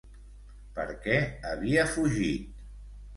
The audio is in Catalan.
Per què havia fugit?